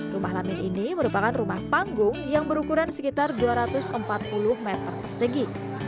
rumah lamin ini merupakan rumah panggung yang berukuran sekitar dua ratus empat puluh meter persegi